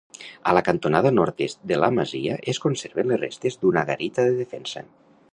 A la cantonada nord-est de la masia es conserven les restes d'una garita de defensa.